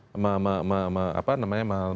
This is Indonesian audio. dan kemudian presiden harus